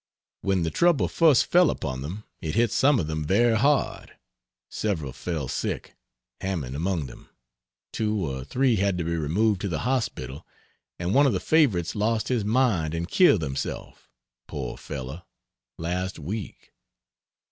When the trouble first fell upon them it hit some of them very hard; several fell sick (Hammond among them), two or three had to be removed to the hospital, and one of the favorites lost his mind and killed himself, poor fellow, last week.